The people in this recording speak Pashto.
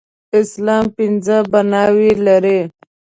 اسلام پنځه بناوې لري.